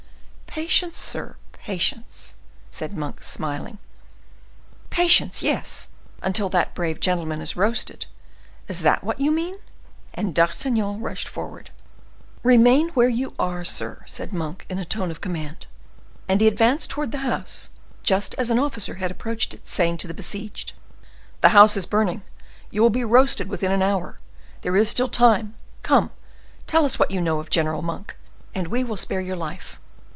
"Patience, sir, patience!" said Monk, smiling. "Patience! yes, until that brave gentleman is roasted—is that what you mean?" And D'Artagnan rushed forward. "Remain where you are, sir," said Monk, in a tone of command. And he advanced towards the house, just as an officer had approached it, saying to the besieged: "The house is burning, you will be roasted within an hour! There is still time—come, tell us what you know of General Monk, and we will spare your life.